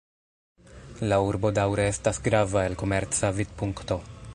La urbo daŭre estas grava el komerca vidpunkto.